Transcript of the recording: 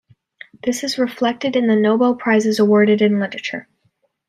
This is reflected in the Nobel prizes awarded in literature.